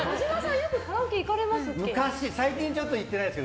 よくカラオケ行かれますっけ？